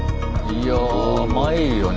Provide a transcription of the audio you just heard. いやまいるよね